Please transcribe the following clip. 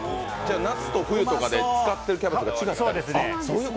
夏と冬とかで使ってるキャベツが違う？